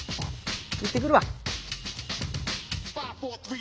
行ってくるわ。